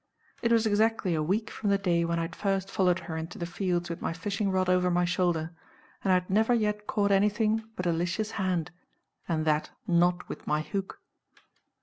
It was exactly a week from the day when I had first followed her into the fields with my fishing rod over my shoulder; and I had never yet caught anything but Alicia's hand, and that not with my hook.